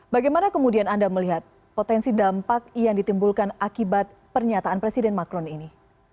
bagaimana kemudian anda melihat potensi dampak yang ditimbulkan akibat pernyataan presiden macron ini